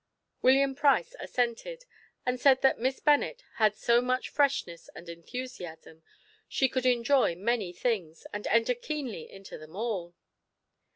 William Price assented, and said that Miss Bennet had so much freshness and enthusiasm, she could enjoy many things, and enter keenly into them all.